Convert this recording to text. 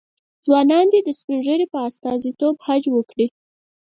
ځوانان دې د سپین ږیرو په استازیتوب حج وکړي.